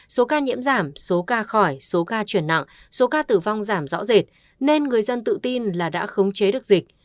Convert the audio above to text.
số ca nhiễm giảm số ca khỏi số ca chuyển nặng số ca tử vong giảm rõ rệt nên người dân tự tin là đã khống chế được dịch